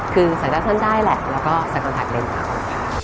คือสามารถท่านได้แหละแล้วก็สามารถถัดเลนส์กับผมค่ะ